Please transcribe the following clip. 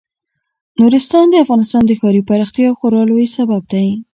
نورستان د افغانستان د ښاري پراختیا یو خورا لوی سبب دی.